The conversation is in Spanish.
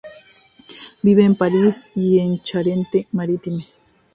Vive en París y en Charente-Maritime.